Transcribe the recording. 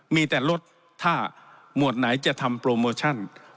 มีแต่ลดถ้าหมวดไหนจะทำโปรโมชั่น